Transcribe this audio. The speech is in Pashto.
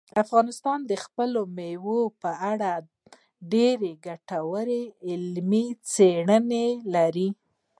افغانستان د خپلو مېوو په اړه ډېرې ګټورې علمي څېړنې لري.